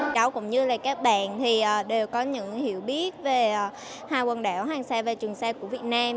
cháu cũng như là các bạn thì đều có những hiểu biết về hai quần đảo hoàng sa và trường sa của việt nam